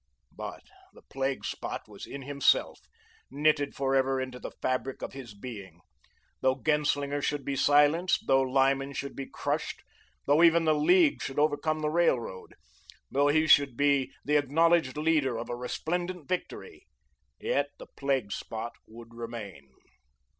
But the plague spot was in himself, knitted forever into the fabric of his being. Though Genslinger should be silenced, though Lyman should be crushed, though even the League should overcome the Railroad, though he should be the acknowledged leader of a resplendent victory, yet the plague spot would remain.